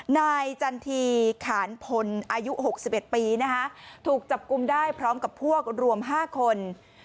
นายจันทีขานพลอายุ๖๑ปีนะคะถูกจับกลุ่มได้พร้อมกับพวกรวม๕คน